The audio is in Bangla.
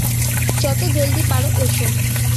যত জলদি পারো এসো।